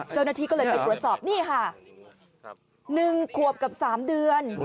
เจ้าหน้าที่ก็เลยไปตรวจสอบนี่ค่ะ๑ขวบกับ๓เดือน